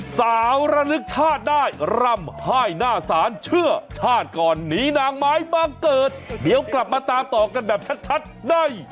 สาวระลึกชาติได้ร่ำไห้หน้าศาลเชื่อชาติก่อนหนีนางไม้บ้างเกิดเดี๋ยวกลับมาตามต่อกันแบบชัดได้